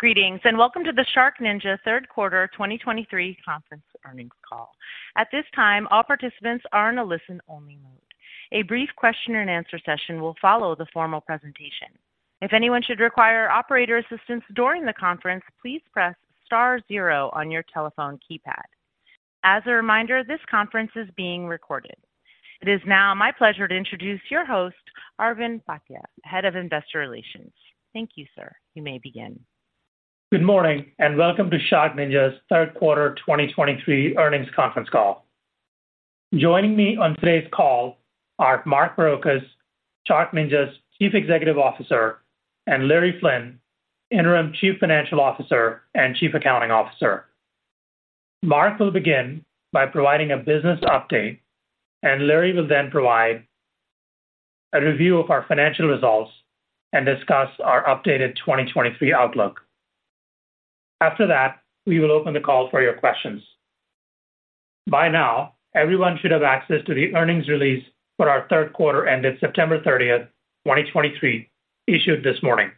Greetings, and welcome to the SharkNinja third quarter 2023 conference earnings call. At this time, all participants are in a listen-only mode. A brief question and answer session will follow the formal presentation. If anyone should require operator assistance during the conference, please press star zero on your telephone keypad. As a reminder, this conference is being recorded. It is now my pleasure to introduce your host, Arvind Bhatia, Head of Investor Relations. Thank you, sir. You may begin. Good morning, and welcome to SharkNinja's third quarter 2023 earnings conference call. Joining me on today's call are Mark Barrocas, SharkNinja's Chief Executive Officer, and Larry Flynn, Interim Chief Financial Officer and Chief Accounting Officer. Mark will begin by providing a business update, and Larry will then provide a review of our financial results and discuss our updated 2023 outlook. After that, we will open the call for your questions. By now, everyone should have access to the earnings release for our third quarter ended September 30th, 2023, issued this morning.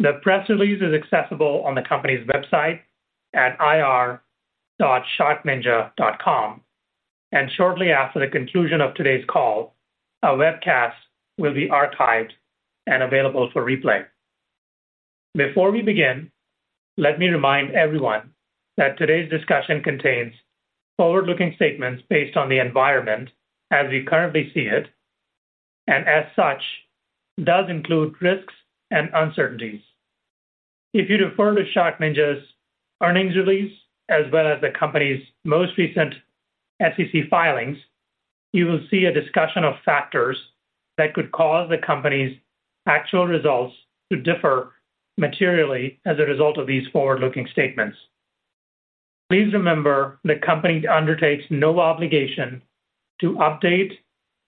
The press release is accessible on the company's website at ir.sharkninja.com. Shortly after the conclusion of today's call, a webcast will be archived and available for replay. Before we begin, let me remind everyone that today's discussion contains forward-looking statements based on the environment as we currently see it, and as such, does include risks and uncertainties. If you refer to SharkNinja's earnings release, as well as the company's most recent SEC filings, you will see a discussion of factors that could cause the company's actual results to differ materially as a result of these forward-looking statements. Please remember, the company undertakes no obligation to update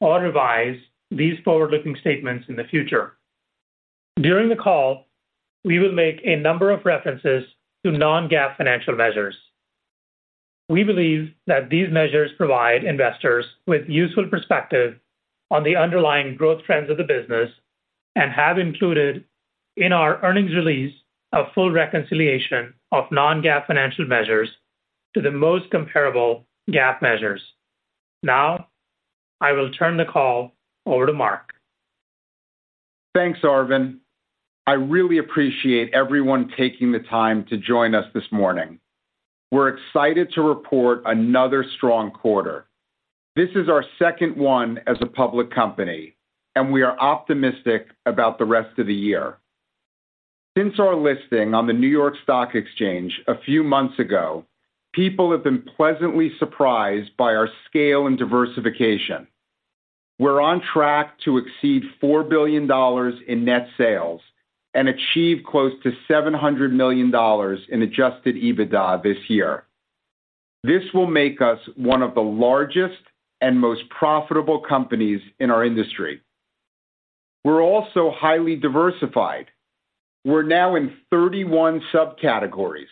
or revise these forward-looking statements in the future. During the call, we will make a number of references to non-GAAP financial measures. We believe that these measures provide investors with useful perspective on the underlying growth trends of the business and have included in our earnings release a full reconciliation of non-GAAP financial measures to the most comparable GAAP measures. Now, I will turn the call over to Mark. Thanks, Arvind. I really appreciate everyone taking the time to join us this morning. We're excited to report another strong quarter. This is our second one as a public company, and we are optimistic about the rest of the year. Since our listing on the New York Stock Exchange a few months ago, people have been pleasantly surprised by our scale and diversification. We're on track to exceed $4 billion in net sales and achieve close to $700 million in adjusted EBITDA this year. This will make us one of the largest and most profitable companies in our industry. We're also highly diversified. We're now in 31 subcategories.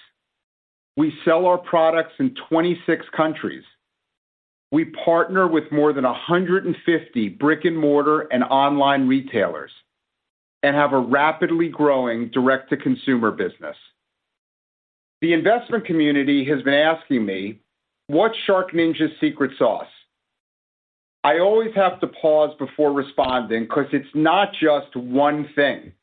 We sell our products in 26 countries. We partner with more than 150 brick-and-mortar and online retailers and have a rapidly growing direct-to-consumer business. The investment community has been asking me, "What's SharkNinja's secret sauce?" I always have to pause before responding because it's not just one thing.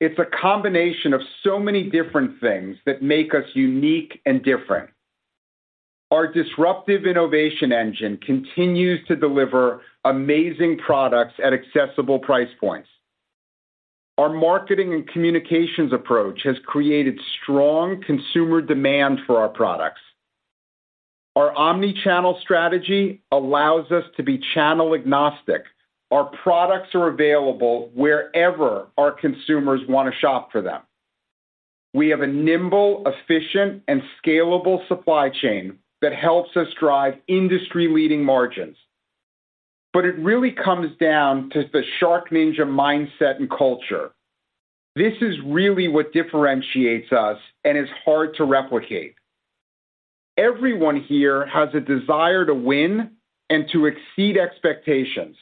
It's a combination of so many different things that make us unique and different. Our disruptive innovation engine continues to deliver amazing products at accessible price points. Our marketing and communications approach has created strong consumer demand for our products. Our omni-channel strategy allows us to be channel agnostic. Our products are available wherever our consumers want to shop for them. We have a nimble, efficient, and scalable supply chain that helps us drive industry-leading margins. But it really comes down to the SharkNinja mindset and culture. This is really what differentiates us and is hard to replicate. Everyone here has a desire to win and to exceed expectations.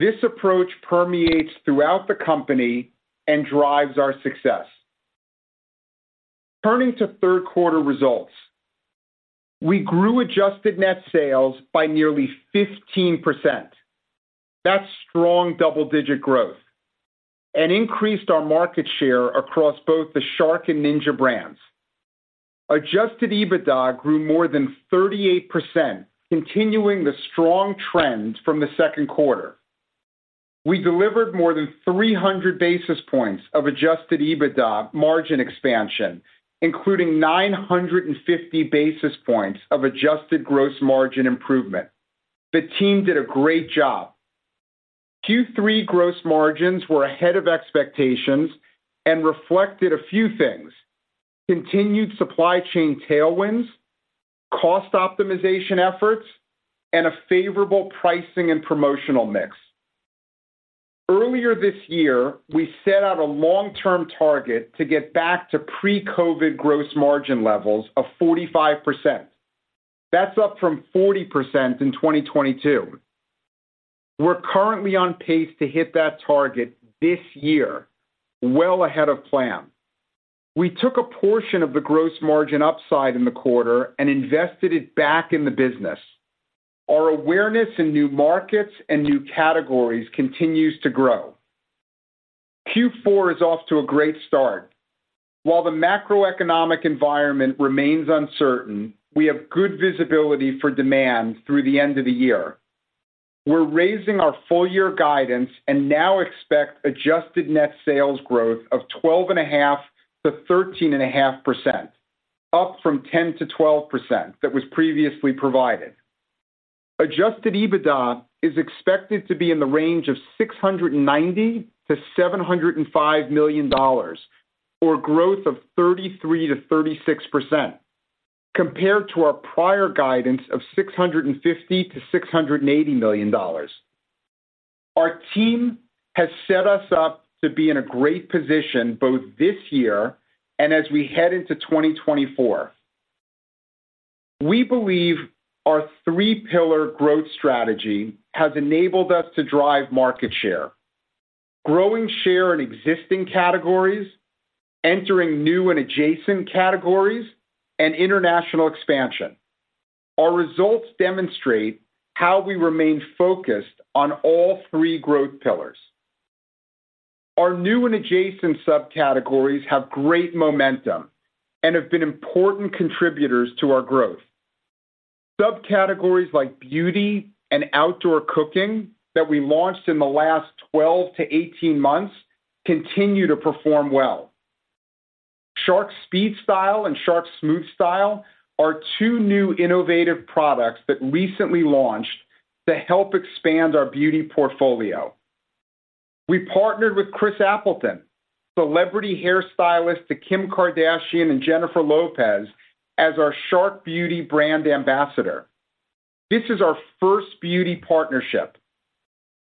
This approach permeates throughout the company and drives our success. Turning to third quarter results, we grew adjusted net sales by nearly 15%. That's strong double-digit growth and increased our market share across both the Shark and Ninja brands. Adjusted EBITDA grew more than 38%, continuing the strong trend from the second quarter. We delivered more than 300 basis points of adjusted EBITDA margin expansion, including 950 basis points of adjusted gross margin improvement. The team did a great job. Q3 gross margins were ahead of expectations and reflected a few things: continued supply chain tailwinds, cost optimization efforts, and a favorable pricing and promotional mix. Earlier this year, we set out a long-term target to get back to pre-COVID gross margin levels of 45%. That's up from 40% in 2022. We're currently on pace to hit that target this year, well ahead of plan. We took a portion of the gross margin upside in the quarter and invested it back in the business. Our awareness in new markets and new categories continues to grow. Q4 is off to a great start. While the macroeconomic environment remains uncertain, we have good visibility for demand through the end of the year. We're raising our full year guidance and now expect adjusted net sales growth of 12.5%-13.5%, up from 10%-12% that was previously provided. Adjusted EBITDA is expected to be in the range of $690 million-$705 million, or growth of 33%-36%, compared to our prior guidance of $650 million-$680 million. Our team has set us up to be in a great position both this year and as we head into 2024. We believe our three pillar growth strategy has enabled us to drive market share, growing share in existing categories, entering new and adjacent categories, and international expansion. Our results demonstrate how we remain focused on all three growth pillars. Our new and adjacent subcategories have great momentum and have been important contributors to our growth. Subcategories like beauty and outdoor cooking that we launched in the last 12-18 months continue to perform well. Shark SpeedStyle and Shark SmoothStyle are two new innovative products that recently launched to help expand our beauty portfolio. We partnered with Chris Appleton, celebrity hairstylist to Kim Kardashian and Jennifer Lopez, as our Shark Beauty brand ambassador. This is our first beauty partnership.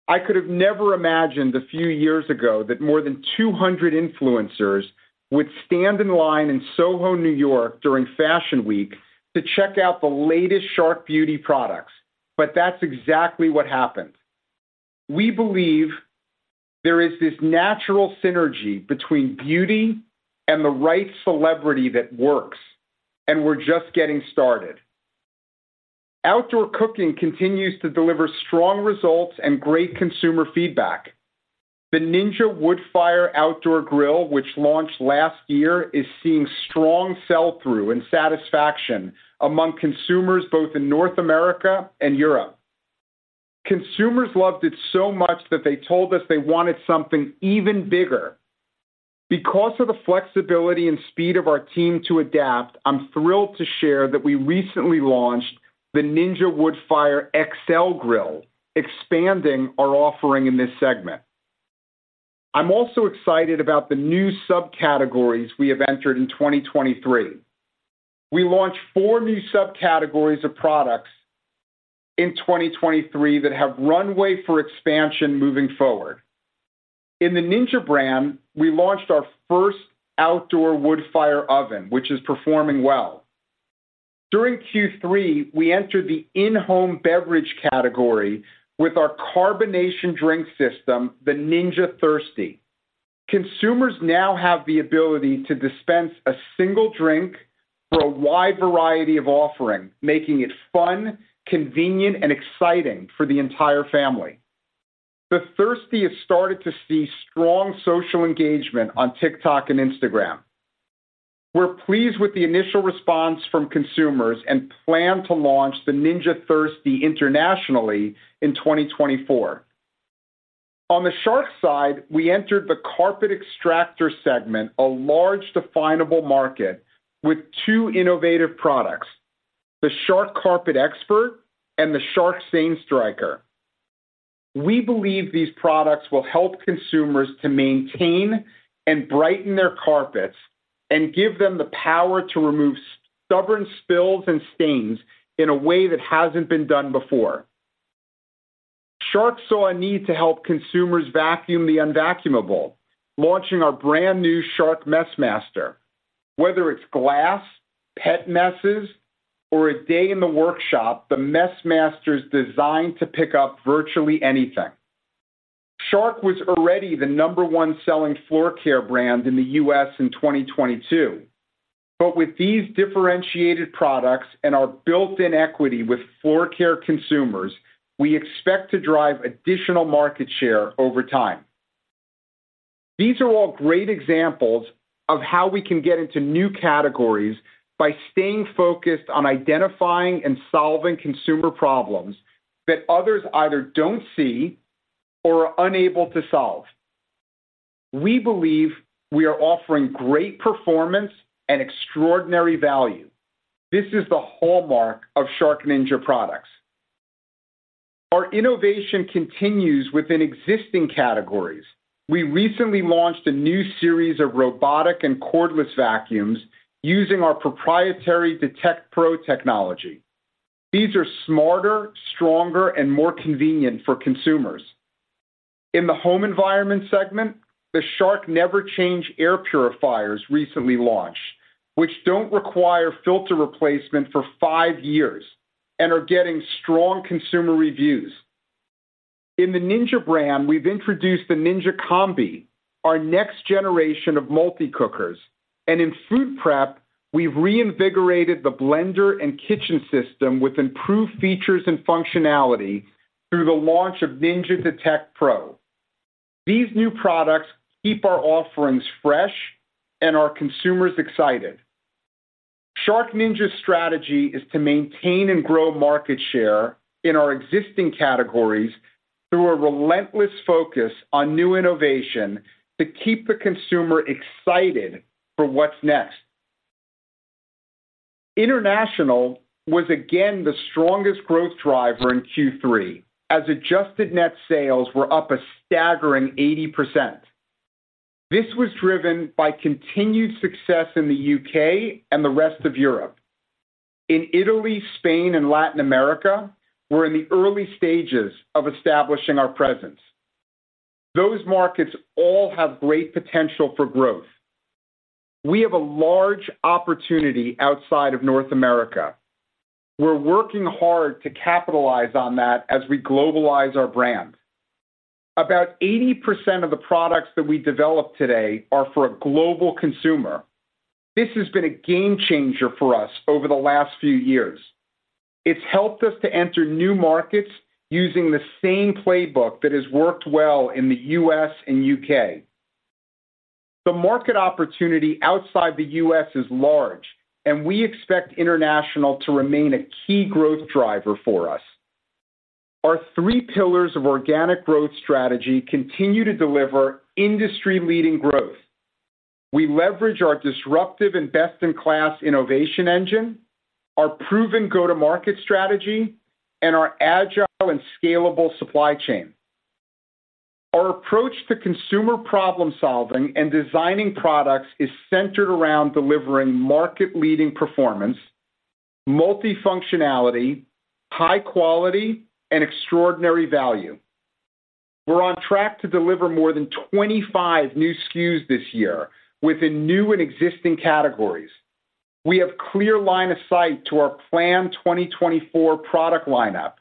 I could have never imagined a few years ago that more than 200 influencers would stand in line in Soho, New York, during Fashion Week to check out the latest Shark Beauty products, but that's exactly what happened. We believe there is this natural synergy between beauty and the right celebrity that works, and we're just getting started. Outdoor cooking continues to deliver strong results and great consumer feedback. The Ninja Woodfire Outdoor Grill, which launched last year, is seeing strong sell-through and satisfaction among consumers, both in North America and Europe. Consumers loved it so much that they told us they wanted something even bigger. Because of the flexibility and speed of our team to adapt, I'm thrilled to share that we recently launched the Ninja Woodfire XL Grill, expanding our offering in this segment. I'm also excited about the new subcategories we have entered in 2023. We launched four new subcategories of products in 2023 that have runway for expansion moving forward. In the Ninja brand, we launched our first outdoor Woodfire oven, which is performing well. During Q3, we entered the in-home beverage category with our carbonation drink system, the Ninja Thirsti. Consumers now have the ability to dispense a single drink for a wide variety of offering, making it fun, convenient, and exciting for the entire family. The Thirsti has started to see strong social engagement on TikTok and Instagram. We're pleased with the initial response from consumers and plan to launch the Ninja Thirsti internationally in 2024. On the Shark side, we entered the carpet extractor segment, a large definable market, with two innovative products: the Shark CarpetXpert and the Shark StainStriker. We believe these products will help consumers to maintain and brighten their carpets and give them the power to remove stubborn spills and stains in a way that hasn't been done before. Shark saw a need to help consumers vacuum the unvacuumable, launching our brand new Shark MessMaster. Whether it's glass, pet messes, or a day in the workshop, the MessMaster is designed to pick up virtually anything. Shark was already the number one selling floor care brand in the U.S. in 2022, but with these differentiated products and our built-in equity with floor care consumers, we expect to drive additional market share over time. These are all great examples of how we can get into new categories by staying focused on identifying and solving consumer problems that others either don't see or are unable to solve. We believe we are offering great performance and extraordinary value. This is the hallmark of SharkNinja products. Our innovation continues within existing categories. We recently launched a new series of robotic and cordless vacuums using our proprietary Detect Pro technology. These are smarter, stronger, and more convenient for consumers.... In the home environment segment, the Shark NeverChange air purifiers recently launched, which don't require filter replacement for five years and are getting strong consumer reviews. In the Ninja brand, we've introduced the Ninja Combi, our next generation of multi-cookers, and in food prep, we've reinvigorated the blender and kitchen system with improved features and functionality through the launch of Ninja Detect Pro. These new products keep our offerings fresh and our consumers excited. SharkNinja's strategy is to maintain and grow market share in our existing categories through a relentless focus on new innovation to keep the consumer excited for what's next. International was again the strongest growth driver in Q3, as adjusted net sales were up a staggering 80%. This was driven by continued success in the U.K. and the rest of Europe. In Italy, Spain, and Latin America, we're in the early stages of establishing our presence. Those markets all have great potential for growth. We have a large opportunity outside of North America. We're working hard to capitalize on that as we globalize our brand. About 80% of the products that we develop today are for a global consumer. This has been a game changer for us over the last few years. It's helped us to enter new markets using the same playbook that has worked well in the U.S. and U.K. The market opportunity outside the U.S. is large, and we expect international to remain a key growth driver for us. Our three pillars of organic growth strategy continue to deliver industry-leading growth. We leverage our disruptive and best-in-class innovation engine, our proven go-to-market strategy, and our agile and scalable supply chain. Our approach to consumer problem-solving and designing products is centered around delivering market-leading performance, multifunctionality, high quality, and extraordinary value. We're on track to deliver more than 25 new SKUs this year within new and existing categories. We have clear line of sight to our planned 2024 product lineup,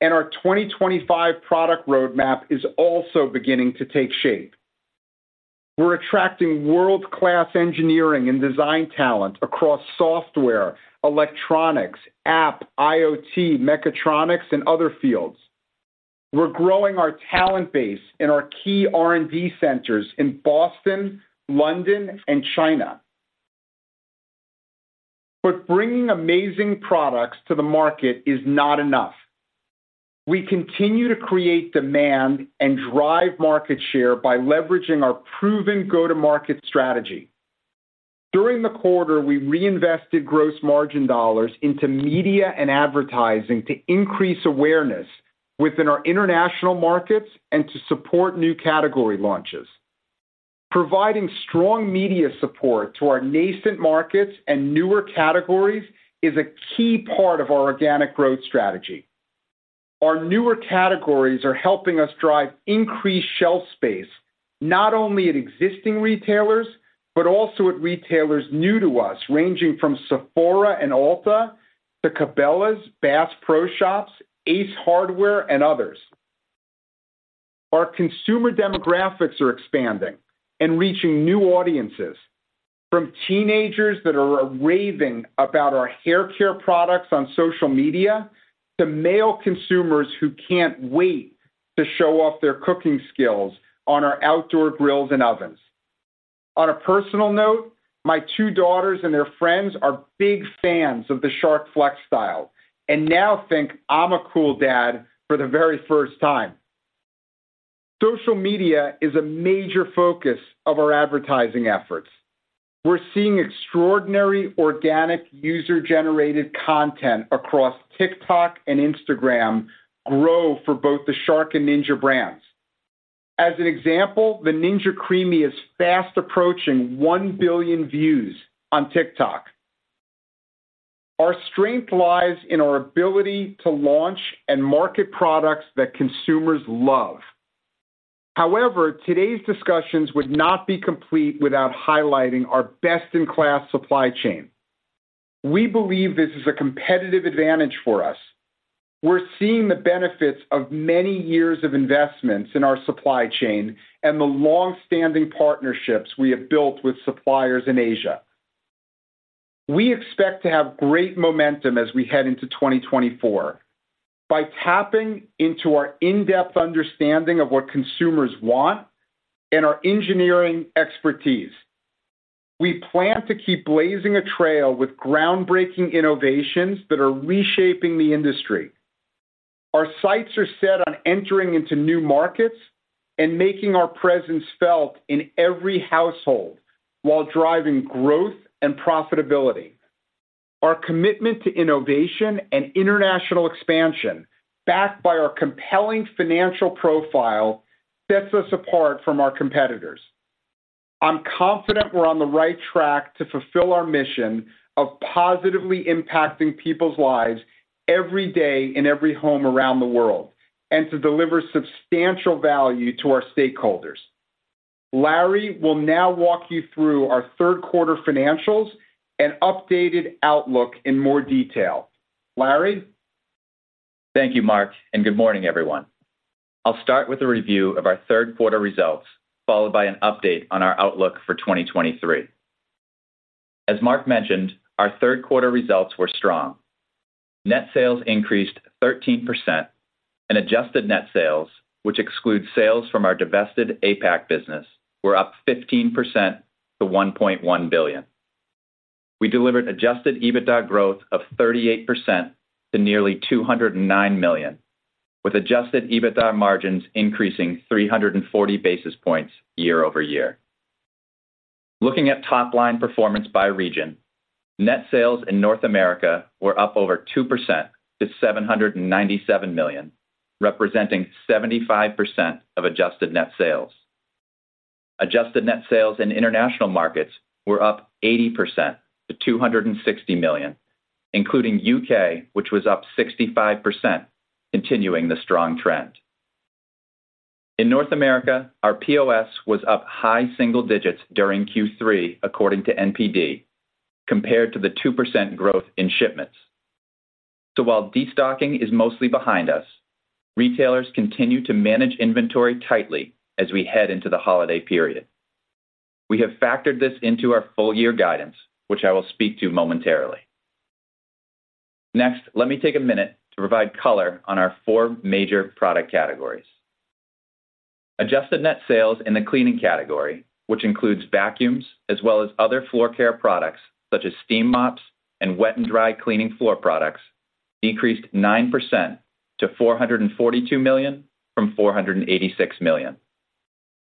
and our 2025 product roadmap is also beginning to take shape. We're attracting world-class engineering and design talent across software, electronics, app, IoT, mechatronics, and other fields. We're growing our talent base in our key R&D centers in Boston, London, and China. But bringing amazing products to the market is not enough. We continue to create demand and drive market share by leveraging our proven go-to-market strategy. During the quarter, we reinvested gross margin dollars into media and advertising to increase awareness within our international markets and to support new category launches. Providing strong media support to our nascent markets and newer categories is a key part of our organic growth strategy. Our newer categories are helping us drive increased shelf space, not only at existing retailers, but also at retailers new to us, ranging from Sephora and Ulta to Cabela's Bass Pro Shops, Ace Hardware, and others. Our consumer demographics are expanding and reaching new audiences, from teenagers that are raving about our hair care products on social media, to male consumers who can't wait to show off their cooking skills on our outdoor grills and ovens. On a personal note, my two daughters and their friends are big fans of the Shark FlexStyle, and now think I'm a cool dad for the very first time. Social media is a major focus of our advertising efforts. We're seeing extraordinary organic, user-generated content across TikTok and Instagram grow for both the Shark and Ninja brands. As an example, the Ninja CREAMi is fast approaching 1 billion views on TikTok. Our strength lies in our ability to launch and market products that consumers love. However, today's discussions would not be complete without highlighting our best-in-class supply chain. We believe this is a competitive advantage for us. We're seeing the benefits of many years of investments in our supply chain and the longstanding partnerships we have built with suppliers in Asia. We expect to have great momentum as we head into 2024. By tapping into our in-depth understanding of what consumers want and our engineering expertise, we plan to keep blazing a trail with groundbreaking innovations that are reshaping the industry. Our sights are set on entering into new markets and making our presence felt in every household while driving growth and profitability. Our commitment to innovation and international expansion, backed by our compelling financial profile, sets us apart from our competitors. I'm confident we're on the right track to fulfill our mission of positively impacting people's lives every day in every home around the world, and to deliver substantial value to our stakeholders. Larry will now walk you through our third quarter financials and updated outlook in more detail. Larry? Thank you, Mark, and good morning, everyone. I'll start with a review of our third quarter results, followed by an update on our outlook for 2023. As Mark mentioned, our third quarter results were strong. Net sales increased 13% and adjusted net sales, which excludes sales from our divested APAC business, were up 15% to $1.1 billion. We delivered adjusted EBITDA growth of 38% to nearly $209 million, with adjusted EBITDA margins increasing 340 basis points year-over-year. Looking at top-line performance by region, net sales in North America were up over 2% to $797 million, representing 75% of adjusted net sales. Adjusted net sales in international markets were up 80% to $260 million, including U.K., which was up 65%, continuing the strong trend. In North America, our POS was up high single digits during Q3, according to NPD, compared to the 2% growth in shipments. So while destocking is mostly behind us, retailers continue to manage inventory tightly as we head into the holiday period. We have factored this into our full year guidance, which I will speak to momentarily. Next, let me take a minute to provide color on our four major product categories. Adjusted net sales in the cleaning category, which includes vacuums as well as other floor care products such as steam mops and wet and dry cleaning floor products, decreased 9% to $442 million from $486 million.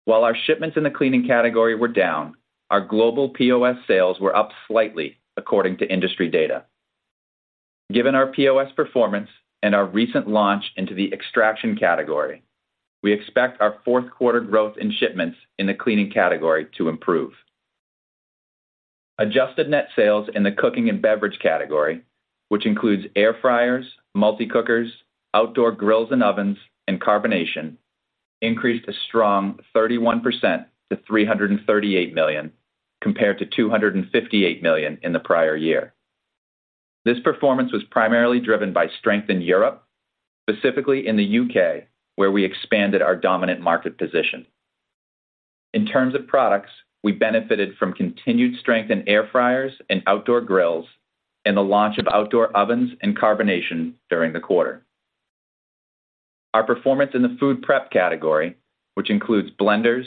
While our shipments in the cleaning category were down, our global POS sales were up slightly, according to industry data. Given our POS performance and our recent launch into the extraction category, we expect our fourth quarter growth in shipments in the cleaning category to improve. Adjusted net sales in the cooking and beverage category, which includes air fryers, multi-cookers, outdoor grills and ovens, and carbonation, increased a strong 31% to $338 million, compared to $258 million in the prior year. This performance was primarily driven by strength in Europe, specifically in the U.K., where we expanded our dominant market position. In terms of products, we benefited from continued strength in air fryers and outdoor grills and the launch of outdoor ovens and carbonation during the quarter. Our performance in the food prep category, which includes blenders,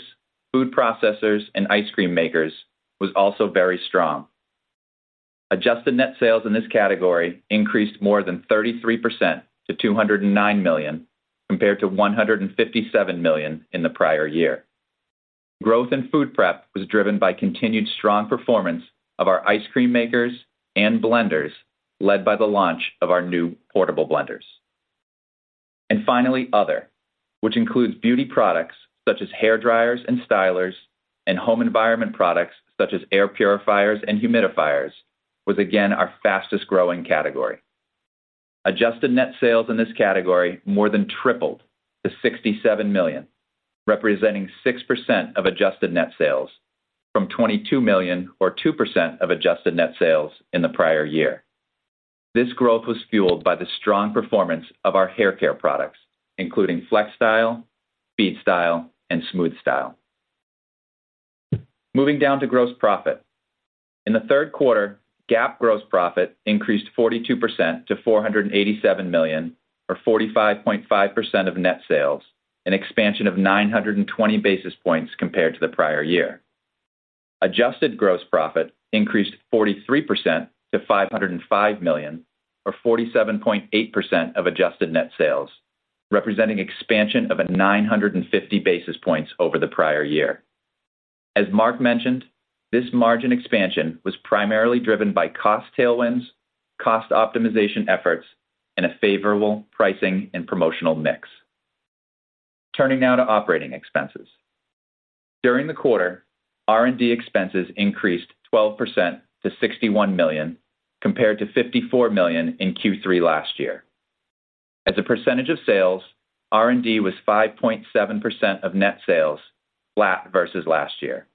food processors, and ice cream makers, was also very strong. Adjusted net sales in this category increased more than 33% to $209 million, compared to $157 million in the prior year. Growth in food prep was driven by continued strong performance of our ice cream makers and blenders, led by the launch of our new portable blenders. And finally, other, which includes beauty products such as hairdryers and stylers, and home environment products such as air purifiers and humidifiers, was again our fastest-growing category. Adjusted net sales in this category more than tripled to $67 million, representing 6% of adjusted net sales from $22 million, or 2% of adjusted net sales in the prior year. This growth was fueled by the strong performance of our hair care products, including FlexStyle, SpeedStyle, and SmoothStyle. Moving down to gross profit. In the third quarter, GAAP gross profit increased 42% to $487 million, or 45.5% of net sales, an expansion of 920 basis points compared to the prior year. Adjusted gross profit increased 43% to $505 million, or 47.8% of adjusted net sales, representing expansion of 950 basis points over the prior year. As Mark mentioned, this margin expansion was primarily driven by cost tailwinds, cost optimization efforts, and a favorable pricing and promotional mix. Turning now to operating expenses. During the quarter, R&D expenses increased 12% to $61 million, compared to $54 million in Q3 last year. As a percentage of sales, R&D was 5.7% of net sales, flat versus last year.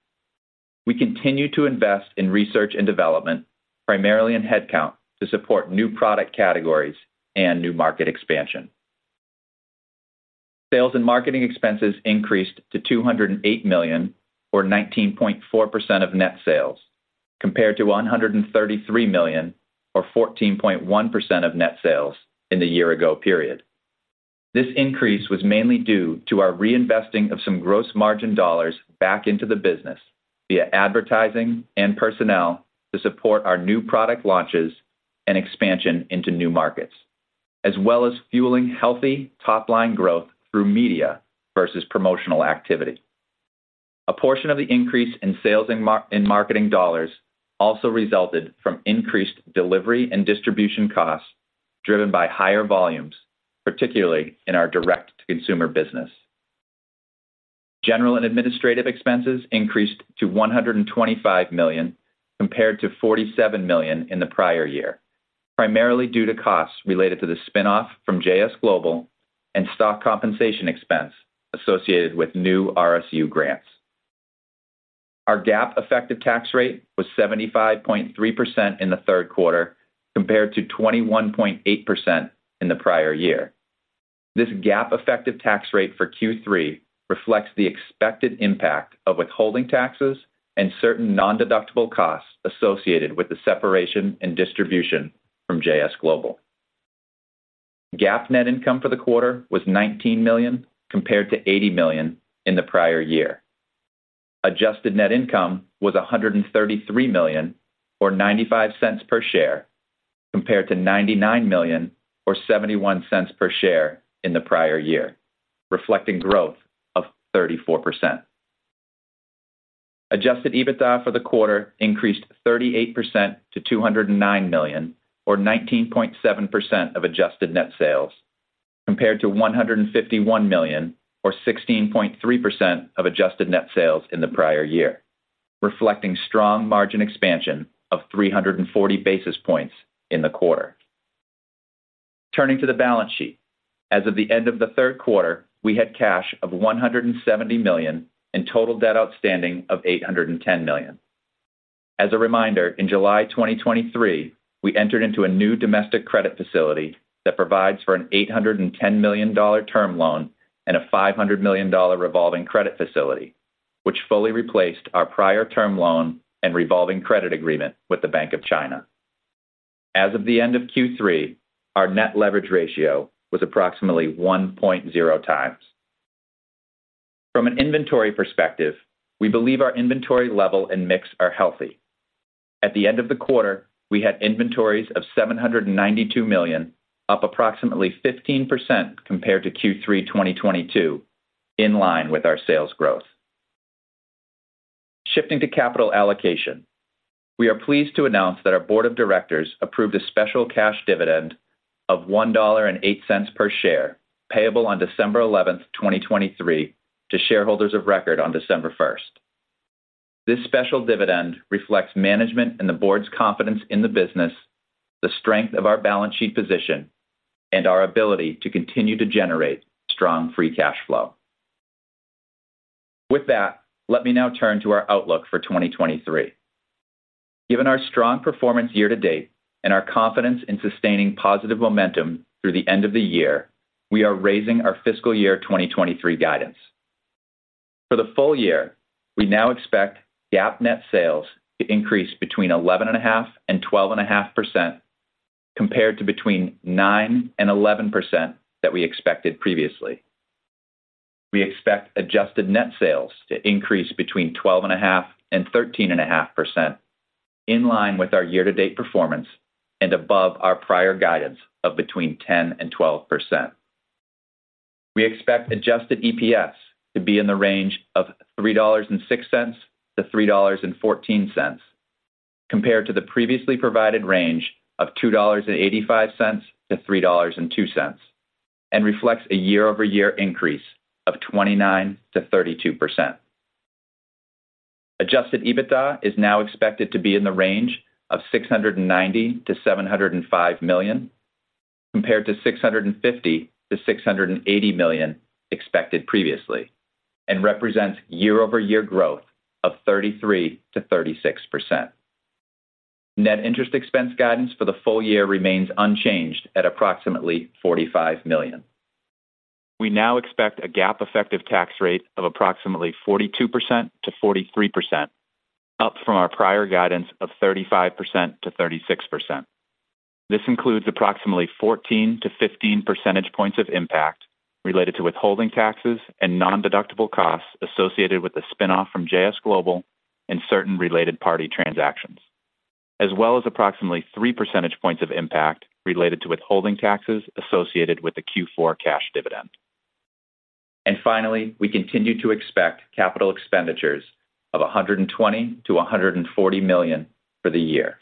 We continue to invest in research and development, primarily in headcount, to support new product categories and new market expansion. Sales and marketing expenses increased to $208 million, or 19.4% of net sales, compared to $133 million, or 14.1% of net sales, in the year ago period. This increase was mainly due to our reinvesting of some gross margin dollars back into the business via advertising and personnel to support our new product launches and expansion into new markets, as well as fueling healthy top-line growth through media versus promotional activity. A portion of the increase in sales and marketing dollars also resulted from increased delivery and distribution costs driven by higher volumes, particularly in our direct-to-consumer business. General and administrative expenses increased to $125 million, compared to $47 million in the prior year, primarily due to costs related to the spin-off from JS Global and stock compensation expense associated with new RSU grants. Our GAAP effective tax rate was 75.3% in the third quarter, compared to 21.8% in the prior year. This GAAP effective tax rate for Q3 reflects the expected impact of withholding taxes and certain nondeductible costs associated with the separation and distribution from JS Global. GAAP net income for the quarter was $19 million, compared to $80 million in the prior year. Adjusted net income was $133 million, or $0.95 per share, compared to $99 million or $0.71 per share in the prior year, reflecting growth of 34%. Adjusted EBITDA for the quarter increased 38% to $209 million, or 19.7% of adjusted net sales, compared to $151 million, or 16.3% of adjusted net sales in the prior year, reflecting strong margin expansion of 340 basis points in the quarter. Turning to the balance sheet. As of the end of the third quarter, we had cash of $170 million and total debt outstanding of $810 million. As a reminder, in July 2023, we entered into a new domestic credit facility that provides for an $810 million term loan and a $500 million revolving credit facility, which fully replaced our prior term loan and revolving credit agreement with the Bank of China. As of the end of Q3, our net leverage ratio was approximately 1.0x. From an inventory perspective, we believe our inventory level and mix are healthy. At the end of the quarter, we had inventories of $792 million, up approximately 15% compared to Q3 2022, in line with our sales growth. Shifting to capital allocation. We are pleased to announce that our board of directors approved a special cash dividend of $1.08 per share, payable on December 11th, 2023, to shareholders of record on December 1st. This special dividend reflects management and the board's confidence in the business, the strength of our balance sheet position, and our ability to continue to generate strong free cash flow. With that, let me now turn to our outlook for 2023. Given our strong performance year-to-date and our confidence in sustaining positive momentum through the end of the year, we are raising our fiscal year 2023 guidance. For the full year, we now expect GAAP net sales to increase between 11.5% and 12.5%, compared to between 9% and 11% that we expected previously. We expect adjusted net sales to increase between 12.5% and 13.5%, in line with our year-to-date performance and above our prior guidance of between 10% and 12%. We expect adjusted EPS to be in the range of $3.06-$3.14, compared to the previously provided range of $2.85-$3.02, and reflects a year-over-year increase of 29%-32%. Adjusted EBITDA is now expected to be in the range of $690 million-$705 million, compared to $650 million-$680 million expected previously, and represents year-over-year growth of 33%-36%. Net interest expense guidance for the full year remains unchanged at approximately $45 million. We now expect a GAAP effective tax rate of approximately 42%-43%, up from our prior guidance of 35%-36%. This includes approximately 14%-15% percentage points of impact related to withholding taxes and nondeductible costs associated with the spin-off from JS Global and certain related party transactions, as well as approximately three percentage points of impact related to withholding taxes associated with the Q4 cash dividend. And finally, we continue to expect capital expenditures of $100 million-$140 million for the year.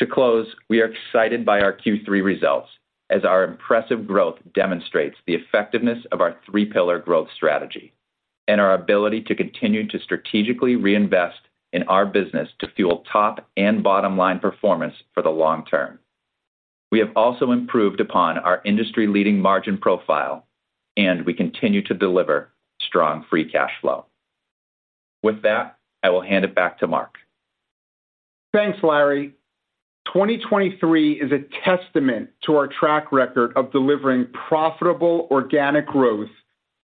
To close, we are excited by our Q3 results, as our impressive growth demonstrates the effectiveness of our three-pillar growth strategy and our ability to continue to strategically reinvest in our business to fuel top and bottom line performance for the long term. We have also improved upon our industry-leading margin profile, and we continue to deliver strong free cash flow. With that, I will hand it back to Mark. Thanks, Larry. 2023 is a testament to our track record of delivering profitable organic growth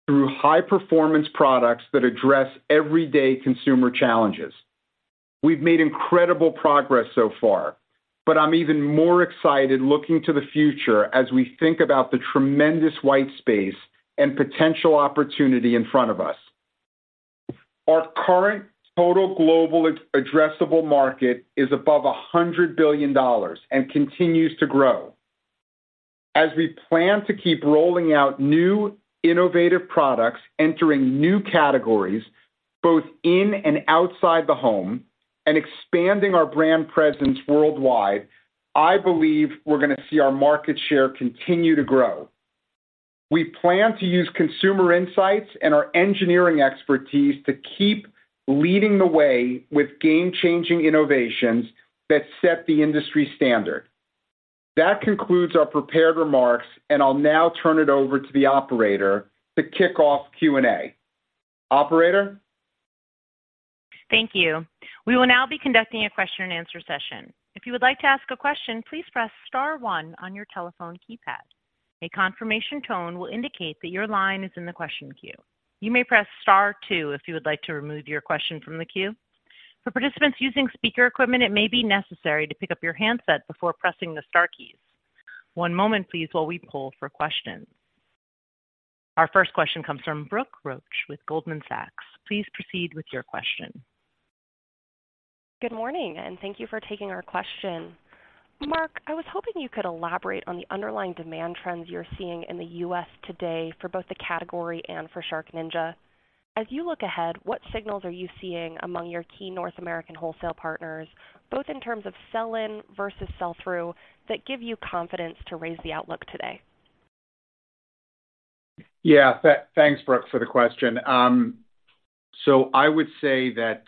through high-performance products that address everyday consumer challenges. We've made incredible progress so far, but I'm even more excited looking to the future as we think about the tremendous white space and potential opportunity in front of us. Our current total global addressable market is above $100 billion and continues to grow. As we plan to keep rolling out new innovative products, entering new categories, both in and outside the home, and expanding our brand presence worldwide, I believe we're gonna see our market share continue to grow. We plan to use consumer insights and our engineering expertise to keep leading the way with game-changing innovations that set the industry standard. That concludes our prepared remarks, and I'll now turn it over to the operator to kick off Q&A. Operator? Thank you. We will now be conducting a question-and-answer session. If you would like to ask a question, please press star one on your telephone keypad. A confirmation tone will indicate that your line is in the question queue. You may press star two if you would like to remove your question from the queue. For participants using speaker equipment, it may be necessary to pick up your handset before pressing the star keys. One moment, please, while we poll for questions. Our first question comes from Brooke Roach with Goldman Sachs. Please proceed with your question. Good morning, and thank you for taking our question. Mark, I was hoping you could elaborate on the underlying demand trends you're seeing in the U.S. today for both the category and for SharkNinja. As you look ahead, what signals are you seeing among your key North American wholesale partners, both in terms of sell-in versus sell-through, that give you confidence to raise the outlook today? Yeah, thanks, Brooke, for the question. So I would say that,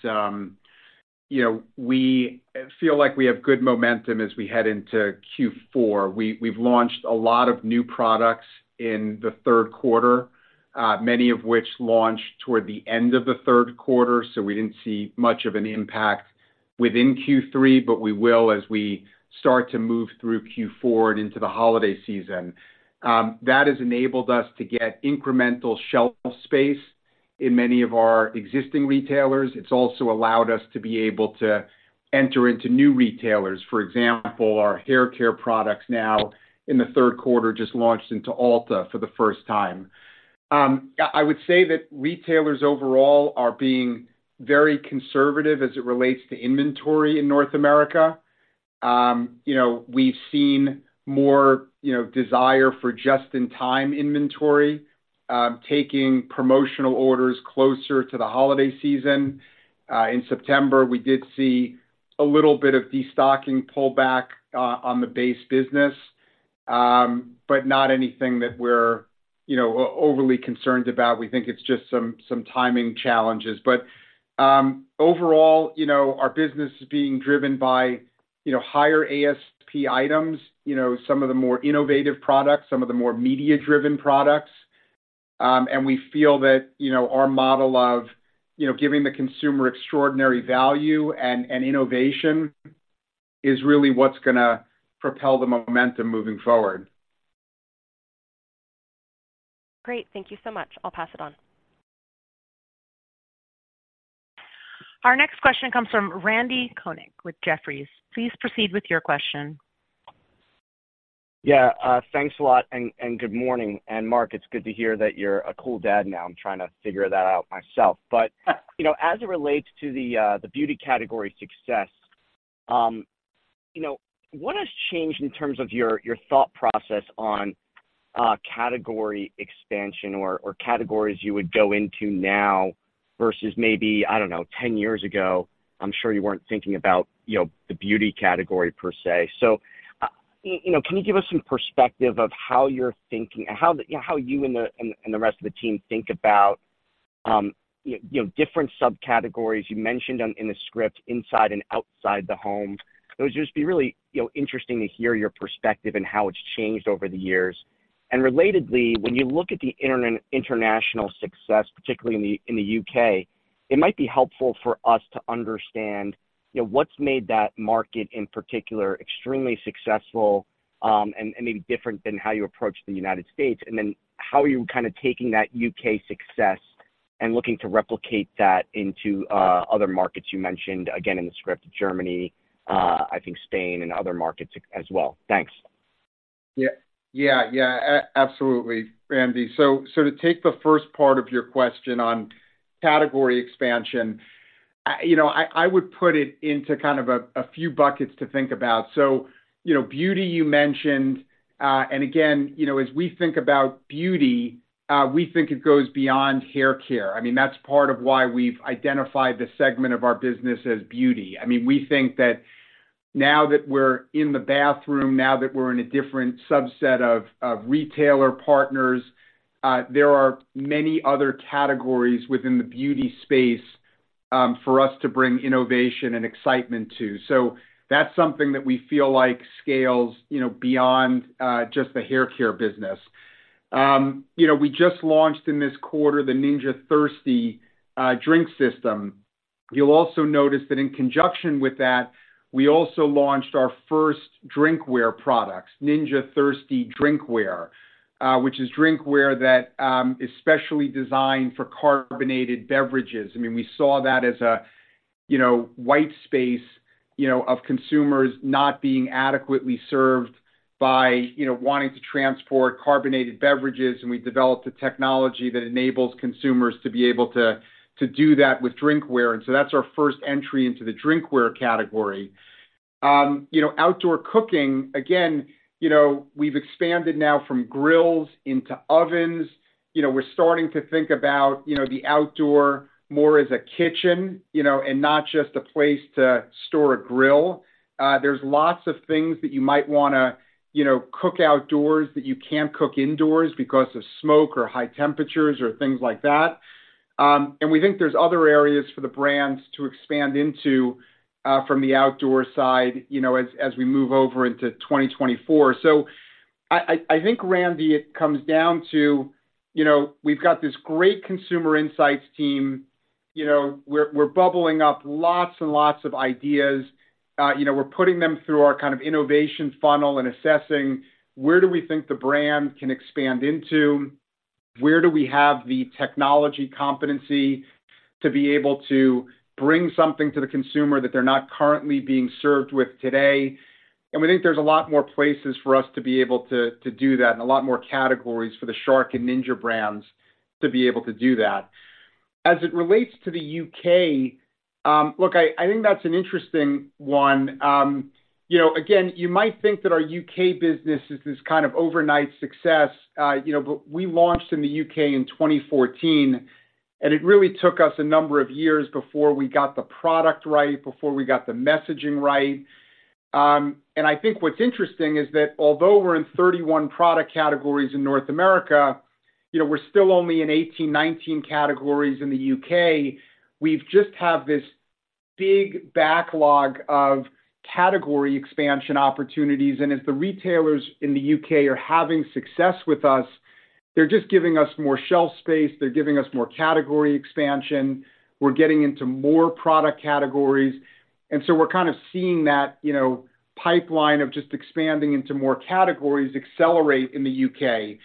you know, we feel like we have good momentum as we head into Q4. We've launched a lot of new products in the third quarter, many of which launched toward the end of the third quarter, so we didn't see much of an impact within Q3, but we will as we start to move through Q4 and into the holiday season. That has enabled us to get incremental shelf space in many of our existing retailers. It's also allowed us to be able to enter into new retailers. For example, our hair care products now in the third quarter, just launched into Ulta for the first time. I would say that retailers overall are being very conservative as it relates to inventory in North America. You know, we've seen more, you know, desire for just-in-time inventory, taking promotional orders closer to the holiday season. In September, we did see a little bit of destocking pullback on the base business, but not anything that we're, you know, overly concerned about. We think it's just some timing challenges. But overall, you know, our business is being driven by, you know, higher ASP items, you know, some of the more innovative products, some of the more media-driven products. And we feel that, you know, our model of, you know, giving the consumer extraordinary value and innovation is really what's gonna propel the momentum moving forward. Great. Thank you so much. I'll pass it on. Our next question comes from Randy Konik with Jefferies. Please proceed with your question. Yeah, thanks a lot, and good morning. And Mark, it's good to hear that you're a cool dad now. I'm trying to figure that out myself. But you know, as it relates to the beauty category success, you know, what has changed in terms of your thought process on category expansion or categories you would go into now versus maybe, I don't know, 10 years ago? I'm sure you weren't thinking about, you know, the beauty category per se. So you know, can you give us some perspective of how you're thinking, how you and the rest of the team think about, you know, different subcategories? You mentioned them in the script, inside and outside the home. So it would just be really, you know, interesting to hear your perspective and how it's changed over the years. And relatedly, when you look at the international success, particularly in the U.K., it might be helpful for us to understand, you know, what's made that market, in particular, extremely successful, and maybe different than how you approach the United States. And then, how are you kind of taking that U.K. success and looking to replicate that into other markets you mentioned, again, in the script, Germany, I think Spain and other markets as well? Thanks. Yeah. Yeah, yeah, absolutely, Randy. So to take the first part of your question on category expansion, you know, I would put it into kind of a few buckets to think about. So, you know, beauty, you mentioned, and again, you know, as we think about beauty, we think it goes beyond hair care. I mean, that's part of why we've identified the segment of our business as beauty. I mean, we think that now that we're in the bathroom, now that we're in a different subset of retailer partners, there are many other categories within the beauty space for us to bring innovation and excitement to. So that's something that we feel like scales, you know, beyond just the hair care business. You know, we just launched in this quarter the Ninja Thirsti Drink System. You'll also notice that in conjunction with that, we also launched our first drinkware products, Ninja Thirsti Drinkware, which is drinkware that is specially designed for carbonated beverages. I mean, we saw that as a, you know, white space, you know, of consumers not being adequately served by, you know, wanting to transport carbonated beverages, and we developed a technology that enables consumers to be able to do that with drinkware. And so that's our first entry into the drinkware category. You know, outdoor cooking, again, you know, we've expanded now from grills into ovens. You know, we're starting to think about, you know, the outdoor more as a kitchen, you know, and not just a place to store a grill. There's lots of things that you might wanna, you know, cook outdoors that you can't cook indoors because of smoke or high temperatures or things like that. And we think there's other areas for the brands to expand into, from the outdoor side, you know, as we move over into 2024. So I think, Randy, it comes down to, you know, we've got this great consumer insights team. You know, we're bubbling up lots and lots of ideas. You know, we're putting them through our kind of innovation funnel and assessing where do we think the brand can expand into? Where do we have the technology competency to be able to bring something to the consumer that they're not currently being served with today? We think there's a lot more places for us to be able to, to do that, and a lot more categories for the Shark and Ninja brands to be able to do that. As it relates to the U.K., look, I think that's an interesting one. You know, again, you might think that our U.K. business is this kind of overnight success, you know, but we launched in the U.K. in 2014, and it really took us a number of years before we got the product right, before we got the messaging right. And I think what's interesting is that although we're in 31 product categories in North America, you know, we're still only in 18, 19 categories in the U.K.. We've just have this big backlog of category expansion opportunities, and as the retailers in the UK are having success with us, they're just giving us more shelf space, they're giving us more category expansion. We're getting into more product categories, and so we're kind of seeing that, you know, pipeline of just expanding into more categories accelerate in the U.K.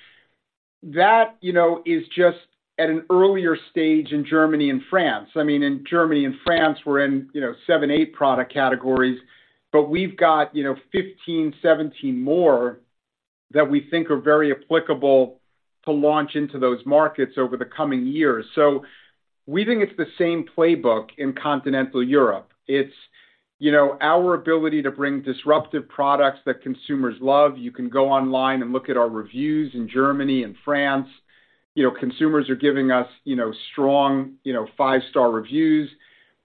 That, you know, is just at an earlier stage in Germany and France. I mean, in Germany and France, we're in, you know, seven to eight product categories, but we've got, you know, 15-17 more that we think are very applicable to launch into those markets over the coming years. So we think it's the same playbook in continental Europe. It's, you know, our ability to bring disruptive products that consumers love. You can go online and look at our reviews in Germany and France. You know, consumers are giving us, you know, strong, you know, five-star reviews.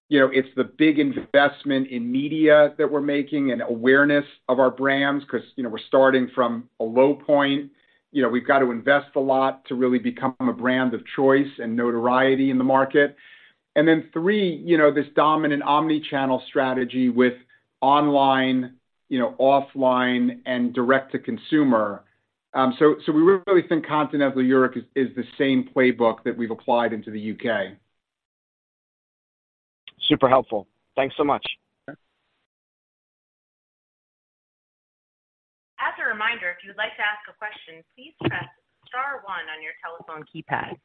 You know, it's the big investment in media that we're making and awareness of our brands, 'cause, you know, we're starting from a low point. You know, we've got to invest a lot to really become a brand of choice and notoriety in the market. And then three, you know, this dominant omni-channel strategy with online, you know, offline and direct-to-consumer. So we really think continental Europe is the same playbook that we've applied into the U.K. Super helpful. Thanks so much. As a reminder, if you'd like to ask a question, please press star one on your telephone keypad.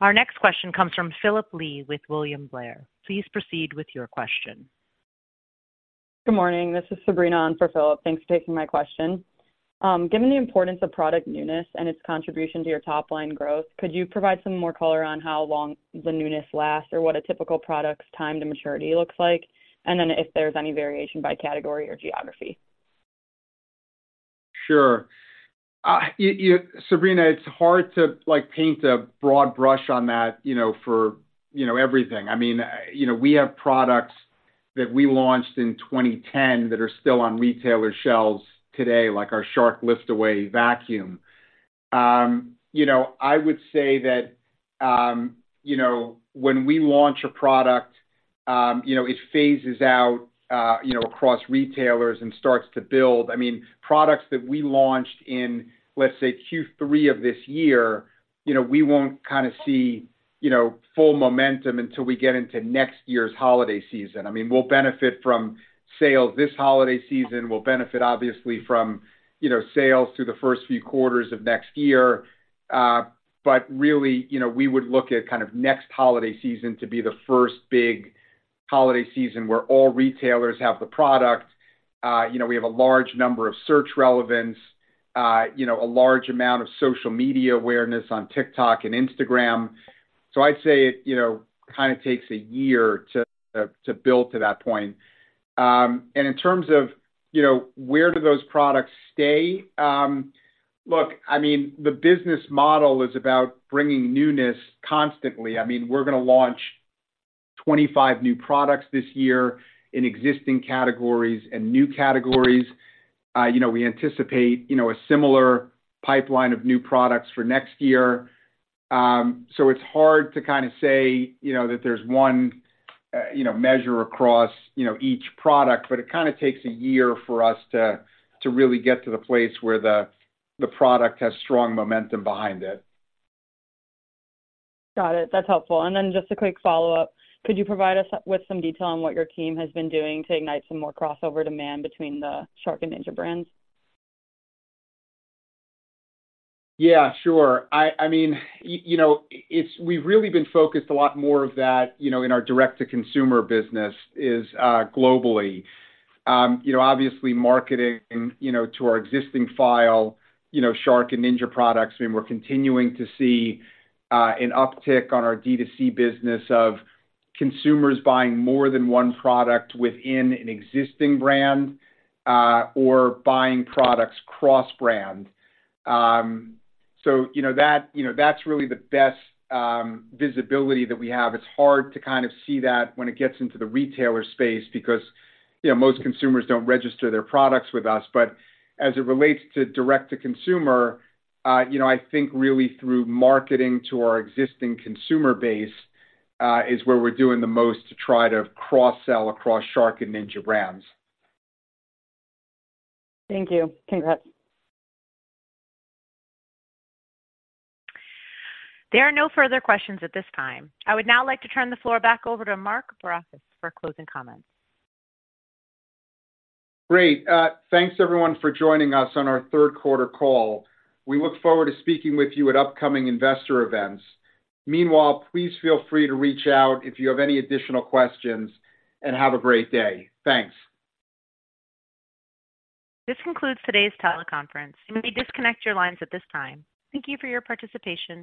Our next question comes from Philip Lee with William Blair. Please proceed with your question. Good morning. This is Sabrina on for Philip. Thanks for taking my question. Given the importance of product newness and its contribution to your top-line growth, could you provide some more color on how long the newness lasts or what a typical product's time to maturity looks like? And then if there's any variation by category or geography. Sure. Sabrina, it's hard to, like, paint a broad brush on that, you know, for, you know, everything. I mean, you know, we have products that we launched in 2010 that are still on retailer shelves today, like our Shark Lift-Away Vacuum. You know, I would say that, you know, when we launch a product, you know, it phases out, you know, across retailers and starts to build. I mean, products that we launched in, let's say, Q3 of this year, you know, we won't kind of see, you know, full momentum until we get into next year's holiday season. I mean, we'll benefit from sales this holiday season, we'll benefit, obviously, from, you know, sales through the first few quarters of next year. But really, you know, we would look at kind of next holiday season to be the first big holiday season where all retailers have the product. You know, we have a large number of search relevance, you know, a large amount of social media awareness on TikTok and Instagram. So I'd say it, you know, kind of takes a year to, to build to that point. And in terms of, you know, where do those products stay? Look, I mean, the business model is about bringing newness constantly. I mean, we're gonna launch 25 new products this year in existing categories and new categories. You know, we anticipate, you know, a similar pipeline of new products for next year. It's hard to kind of say, you know, that there's one, you know, measure across, you know, each product, but it kind of takes a year for us to really get to the place where the product has strong momentum behind it. Got it. That's helpful. And then just a quick follow-up: could you provide us with some detail on what your team has been doing to ignite some more crossover demand between the Shark and Ninja brands? Yeah, sure. I mean, you know, it's we've really been focused a lot more of that, you know, in our direct-to-consumer business is globally. You know, obviously marketing, you know, to our existing file, you know, Shark and Ninja products, and we're continuing to see an uptick on our D2C business of consumers buying more than one product within an existing brand or buying products cross-brand. So you know that, you know, that's really the best visibility that we have. It's hard to kind of see that when it gets into the retailer space because, you know, most consumers don't register their products with us. But as it relates to direct-to-consumer, you know, I think really through marketing to our existing consumer base is where we're doing the most to try to cross-sell across Shark and Ninja brands. Thank you. Congrats. There are no further questions at this time. I would now like to turn the floor back over to Mark Barrocas for closing comments. Great. Thanks, everyone, for joining us on our third quarter call. We look forward to speaking with you at upcoming investor events. Meanwhile, please feel free to reach out if you have any additional questions, and have a great day. Thanks. This concludes today's teleconference. You may disconnect your lines at this time. Thank you for your participation.